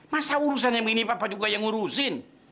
masa urusan yang begini papa juga yang ngurusin